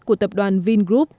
của tập đoàn vingroup